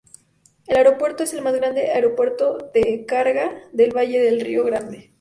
El aeropuerto es el más grande aeropuerto de carga del Valle del Río Grande.